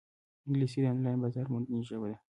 انګلیسي د آنلاین بازارموندنې ژبه ده